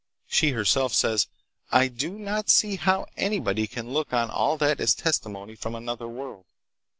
She herself says: "I do not see how anybody can look on all that as testimony from another world.